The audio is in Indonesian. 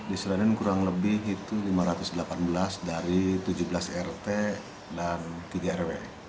di seladin kurang lebih itu lima ratus delapan belas dari tujuh belas rt dan tiga rw